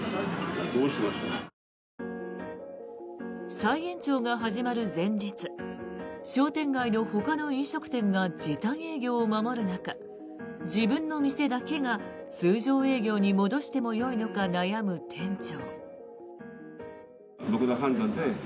再延長が始まる前日商店街のほかの飲食店が時短営業を守る中自分の店だけが通常営業に戻してもよいのか悩む店長。